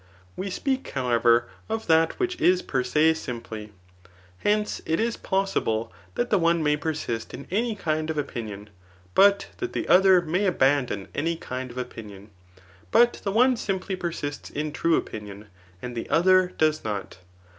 We speak, however, of that which is per se simply. Hence, it is possible that die one may persist in any kind of opinion, but that the other may abandon any kind of opinion ; but the one simply persists in true opinion, and the other does not.